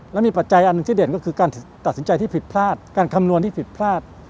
แล้วมีปัจจัยอันหนึ่งที่เด่นก็คือการตัดสินใจที่ผิดพลาดการคำนวณที่ผิดพลาด